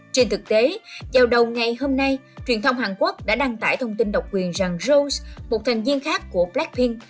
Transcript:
trên thực tế vào đầu ngày hôm nay truyền thông hàn quốc đã đăng tải thông tin độc quyền rằng rose một thành viên khác của blackpink